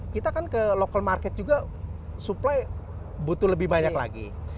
kita kan ke local market juga supply butuh lebih banyak lagi